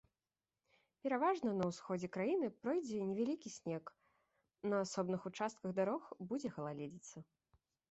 Пераважна на ўсходзе краіны пройдзе невялікі снег, на асобных участках дарог будзе галалёдзіца.